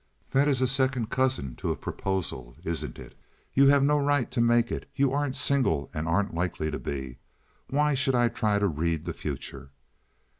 "That is a second cousin to a proposal, isn't it? You have no right to make it. You aren't single, and aren't likely to be. Why should I try to read the future?"